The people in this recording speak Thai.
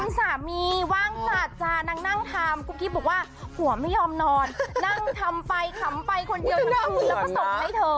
สามีว่างสัตว์จ้ะนางนั่งทำกุ๊กกิ๊บบอกว่าผัวไม่ยอมนอนนั่งทำไปขำไปคนเดียวทั้งคุณแล้วก็ส่งให้เธอ